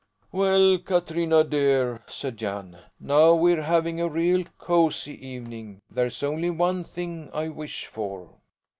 "Well, Katrina dear," said Jan, "now we're having a real cosy evening. There's only one thing I wish for."